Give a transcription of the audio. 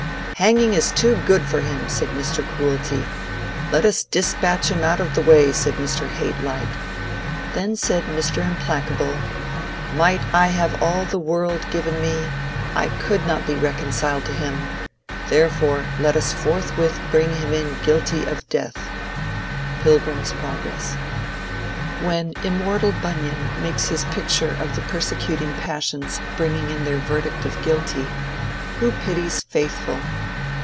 Hanging is too good for him, said Mr. Cruelty. Let us despatch him out of the way said Mr. Hate light. Then said Mr. Implacable, Might I have all the world given me, I could not be reconciled to him; therefore let us forthwith bring him in guilty of death."—Pilgrim's Progress. When immortal Bunyan makes his picture of the persecuting passions bringing in their verdict of guilty, who pities Faithful?